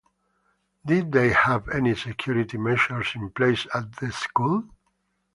Did they have any security measures in place at the school?